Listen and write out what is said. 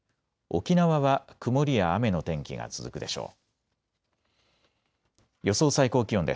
沖縄は曇りや雨の天気が続くでしょう。